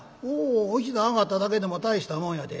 「おお一段上がっただけでも大したもんやで。